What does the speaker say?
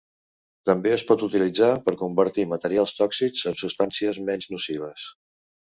També es pot utilitzar per convertir materials tòxics en substàncies menys nocives.